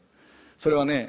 それはね